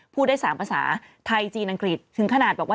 พูดได้สามภาษา